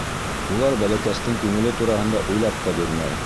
Улар бәләкәстең күңеле тураһында уйлап та бирмәй.